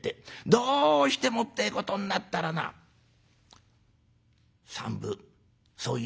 どうしてもってえことになったらな３分そう言え」。